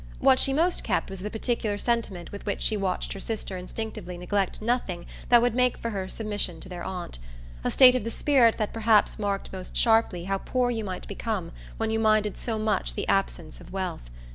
What she most kept was the particular sentiment with which she watched her sister instinctively neglect nothing that would make for her submission to their aunt; a state of the spirit that perhaps marked most sharply how poor you might become when you minded so much the absence of wealth.